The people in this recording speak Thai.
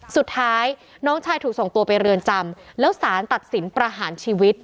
สุดท้ายน้องชายถูกส่งตัวไปเรือนจำแล้วสารตัดสินประหารชีวิต